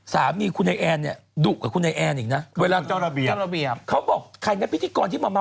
สามีคุณแยนดูดกับคุณแยนอีกนะ